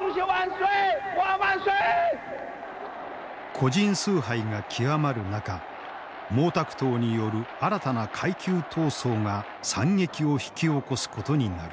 個人崇拝が極まる中毛沢東による新たな階級闘争が惨劇を引き起こすことになる。